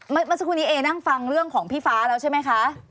เมื่อสักครู่นี้เอนั่งฟังเรื่องของพี่ฟ้าแล้วใช่ไหมคะ